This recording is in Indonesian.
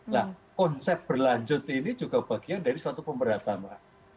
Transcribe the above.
nah konsep berlanjut ini juga bagian dari suatu pemberantasan